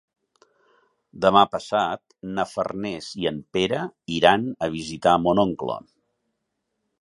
Demà passat na Farners i en Pere iran a visitar mon oncle.